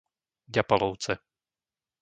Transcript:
Ďapalovce